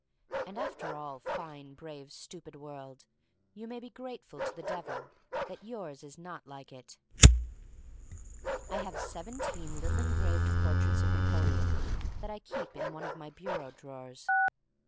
And after all, fine, brave, stupid world, you may be grateful to the Devil that yours is not like it. I have seventeen little engraved por traits of Napoleon that I keep in one of my bureau drawers.